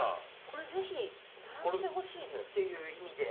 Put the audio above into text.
これぜひ並べてほしいっていう意味で。